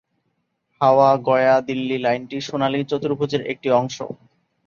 হাওড়া-গয়া-দিল্লি লাইনটি সোনালী চতুর্ভুজের একটি অংশ।